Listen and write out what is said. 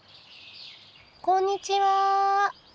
こんにちは。